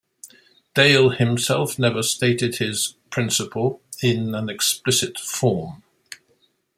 Dale himself never stated his "principle" in an explicit form.